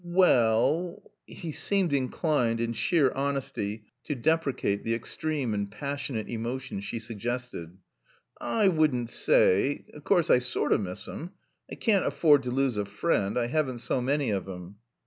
"Wall " He seemed inclined, in sheer honesty, to deprecate the extreme and passionate emotion she suggested. I would n' saay O' course, I sort o' miss him. I caann't afford to lose a friend I 'aven't so many of 'em."